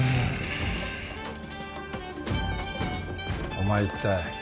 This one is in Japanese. お前一体？